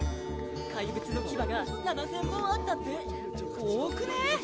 怪物の牙が７０００本あったって多くね